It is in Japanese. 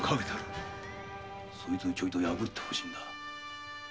そいつをチョイト破って欲しいんだ。